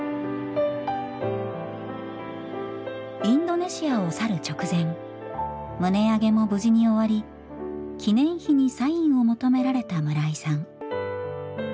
インドネシアを去る直前棟上げも無事に終わり記念碑にサインを求められた村井さん。